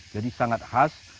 jadi sangat khas